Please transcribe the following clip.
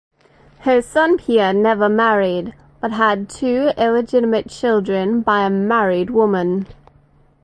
Her son Pierre never married, but had two illegitimate children by a married woman.